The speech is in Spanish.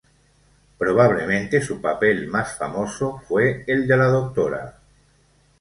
Probablemente su papel más famoso fue el de la Dra.